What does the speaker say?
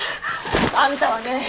あんたはね